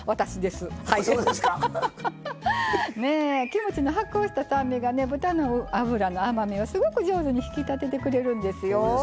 キムチの発酵した酸味が豚の脂の甘みをすごく上手に引き立ててくれるんですよ。